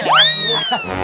terima kasih ya